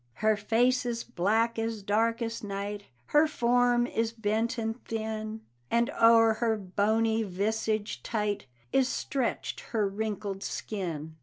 Her face is black as darkest night, Her form is bent and thin, And o'er her bony visage tight Is stretched her wrinkled skin.